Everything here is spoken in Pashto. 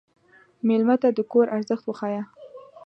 مېلمه ته د کور ارزښت وښیه.